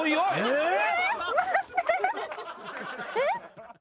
えっ？